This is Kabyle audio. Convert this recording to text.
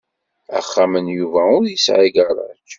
Axxam n Yuba ur yesɛi agaṛaj.